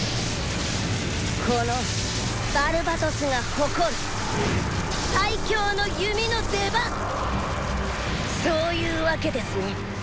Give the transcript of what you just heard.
「このバルバトスが誇る最強の弓の出番そういうわけですね！」。